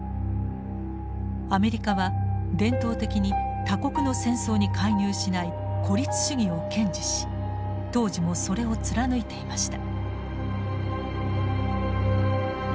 アメリカは伝統的に他国の戦争に介入しない孤立主義を堅持し当時もそれを貫いていました。